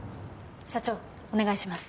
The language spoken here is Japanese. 社長お願いします